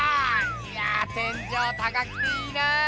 いや天じょう高くていいなあ！